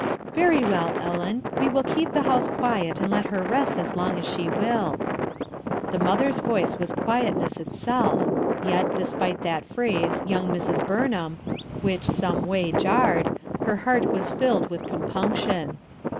"Very well, Ellen, we will keep the house quiet and let her rest as long as she wilh" The mother's voice was quietness itself, yet, despite that phr&se "young Mrs. Jiurnham/' 136 HUTH ERSKINE'S SON which, some way, jarred, her heart was £U C <1 with compunction.